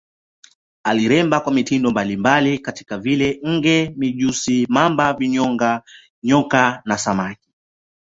Aliremba kwa mitindo mbalimbali kama vile nge, mijusi, mamba, vinyonga, nyoka na samaki.